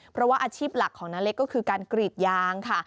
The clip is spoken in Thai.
เพราะว่าอาชีพหลักของน้าเล็กก็คือการกรีดยางค่ะ